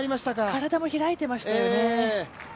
体も開いていましたよね。